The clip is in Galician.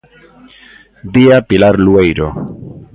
Vía Pilar Lueiro.